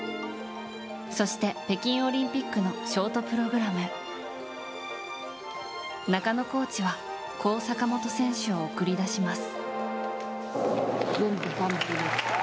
そして、北京オリンピックのショートプログラム中野コーチはこう坂本選手を送り出します。